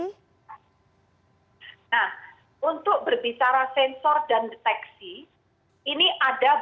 nah untuk berbicara sensor dan deteksi ini ada berapa